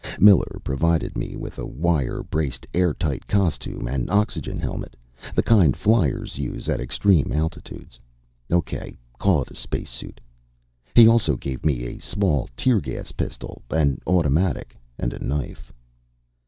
Miller provided me with a wire braced, airtight costume and oxygen helmet, the kind fliers use at extreme altitudes. Okay, call it a spacesuit. He also gave me a small tear gas pistol, an automatic, and a knife.